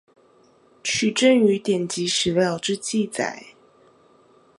取證於典籍史料之記載